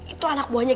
itu anak buahnya